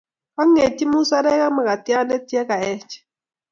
Kang'etyi musarek ak makatiande ya kaech